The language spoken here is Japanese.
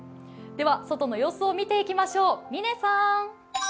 では外の様子を見ていきましょう。